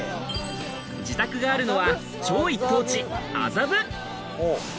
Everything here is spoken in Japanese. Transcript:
自宅があるのは超一等地